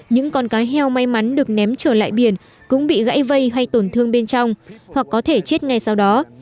những con cá heo may mắn được ném trở lại biển cũng bị gãy vây hay tổn thương bên trong hoặc có thể chết ngay sau đó